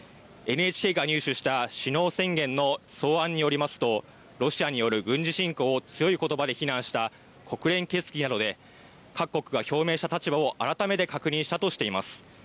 ＮＨＫが入手した首脳宣言の草案によりますとロシアによる軍事侵攻を強い言葉で非難した国連決議などで各国が表明した立場を改めて確認したとしています。